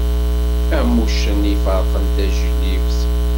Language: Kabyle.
Am uccen i yefeṛqen tajlibt.